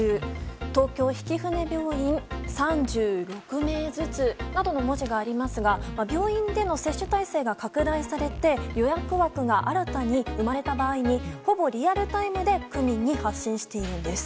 東京曳舟病院３６名ずつなどの文字がありますが病院での接種体制が拡大されて予約枠が新たに生まれた場合にほぼリアルタイムで区民に発信しているんです。